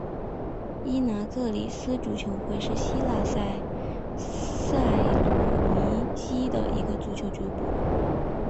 伊拿克里斯足球会是希腊塞萨洛尼基的一个足球俱乐部。